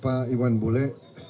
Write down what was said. pak iwan bule